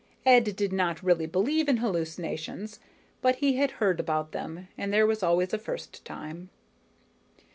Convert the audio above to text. Ed did not really believe in hallucinations, but he had heard about them, and there was always a first time.